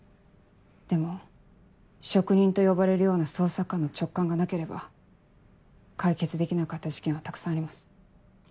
でも職人と呼ばれるような捜査官の直感がなければ解決できなかった事件はたくさんあります。